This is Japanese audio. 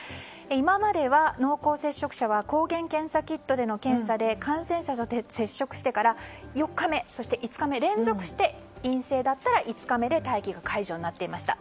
今までは濃厚接触者は抗原検査キットでの検査で感染者と接触してから４日目、そして５日目連続して陰性だったら５日目で待機解除となっていました。